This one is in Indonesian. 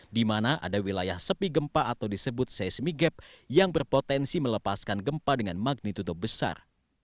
di mana ada wilayah sepi gempa atau disebut seismi gap yang berpotensi melepaskan gempa dengan magnitudo besar